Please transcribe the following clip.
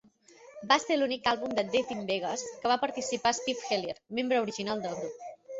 Va ser l'únic àlbum de Death in Vegas en què va participar Steve Hellier, membre original del grup.